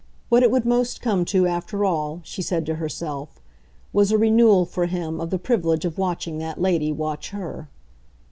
What it would most come to, after all, she said to herself, was a renewal for him of the privilege of watching that lady watch her.